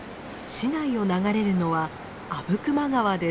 市内を流れるのは阿武隈川です。